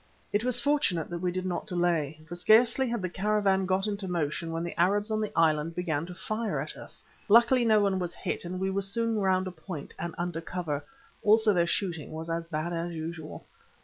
It was fortunate that we did not delay, for scarcely had the caravan got into motion when the Arabs on the island began to fire at us. Luckily no one was hit, and we were soon round a point and under cover; also their shooting was as bad as usual.